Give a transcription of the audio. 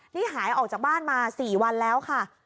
นี่หายออกจากบ้านมา๔วันแล้วค่ะ